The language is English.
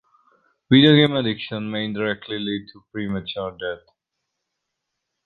Video game addiction may indirectly lead to premature death.